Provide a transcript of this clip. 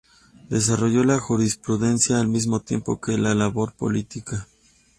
Desarrolló la jurisprudencia al mismo tiempo que la labor política.